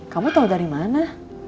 kamu tau dari mana